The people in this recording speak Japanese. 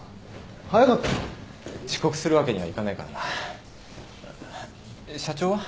早かったな。遅刻するわけにはいかないからな。社長は？